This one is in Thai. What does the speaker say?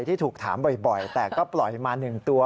ที่ถูกถามบ่อยแต่ก็ปล่อยมา๑ตัว